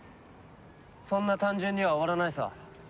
そんな単純には終わらないさ。